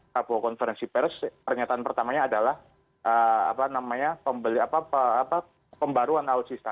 prabowo konferensi pers pernyataan pertamanya adalah pembaruan alutsista